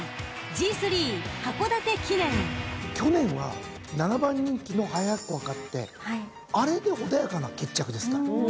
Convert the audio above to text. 去年は７番人気のハヤヤッコが勝ってあれで穏やかな決着ですから。